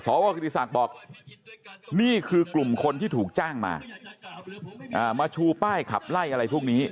กิติศักดิ์บอกนี่คือกลุ่มคนที่ถูกจ้างมามาชูป้ายขับไล่อะไรพวกนี้